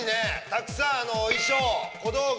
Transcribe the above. たくさん衣装・小道具